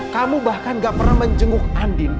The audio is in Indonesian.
kamu bahkan tidak pernah menjenguk andi